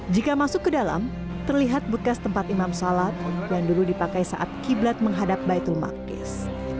jika masuk ke dalam terlihat bekas tempat imam sholat yang dulu dipakai saat qiblat menghadap baitul maqis